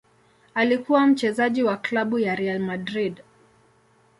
Alikuwa mchezaji wa klabu ya Real Madrid.